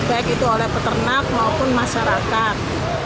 baik itu oleh peternak maupun masyarakat